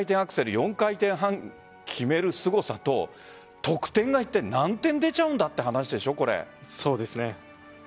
４回転半決めるすごさと得点が一体、何点出ちゃうんだという話でしょ、こそうですね。